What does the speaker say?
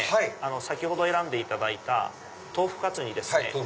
先ほど選んでいただいた豆腐カツにですね